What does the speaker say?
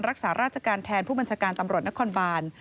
รักษาราชการแทนผู้บัญชาการตำรวจนครบาน